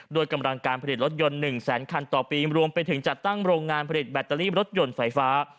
กำลังการผลิตรถยนต์๑แสนคันต่อปีรวมไปถึงจัดตั้งโรงงานผลิตแบตเตอรี่รถยนต์ไฟฟ้า